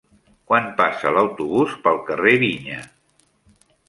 Quan passa l'autobús pel carrer Vinya?